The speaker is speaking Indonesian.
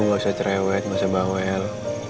nggak usah cerewet gak usah bawel